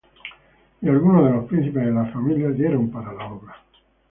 Y algunos de los príncipes de las familias dieron para la obra.